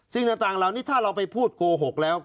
สิ่งต่างเหล่านี้ถ้าเราไปพูดโกหกแล้ว